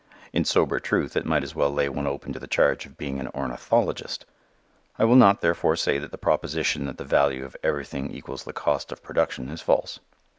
In sober truth it might as well lay one open to the charge of being an ornithologist. I will not, therefore, say that the proposition that the value of everything equals the cost of production is false.